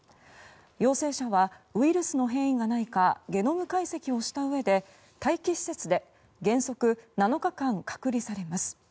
陽性者はウイルスの変異がないかゲノム解析をしたうえで待機施設で原則７日間隔離されます。